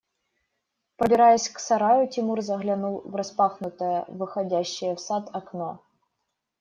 Пробираясь к сараю, Тимур заглянул в распахнутое, выходящее в сад окно.